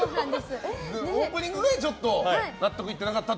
オープニングが納得いっていなかったと。